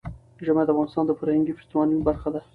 ژمی د افغانستان د فرهنګي فستیوالونو برخه ده.